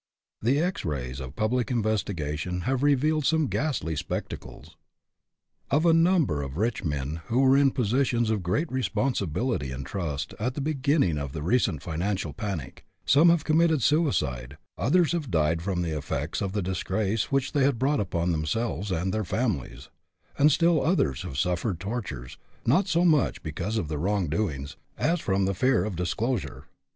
The X rays of public investigation have revealed some ghastly spectacles. Of a number of rich men who were in po sitions of great responsibility and trust at the beginning of the recent financial panic, some have committed suicide, others have died from the effects of the disgrace which they had brought upon themselves and their families, and still others have suffered tortures, not so much because of their wrongdoings, as from the fear of disclosure.